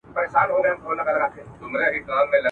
افسانې د برېتورو، ږيرورو!